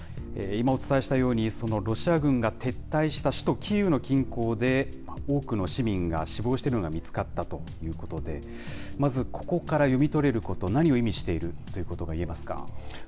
今、お伝えしたように、ロシア軍が撤退した首都キーウの近郊で、多くの市民が死亡しているのが見つかったということで、まず、ここから読み取れること、何を意味しているということが言えますか。